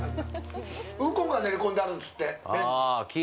ウコンが練り込んであるんですって、麺に。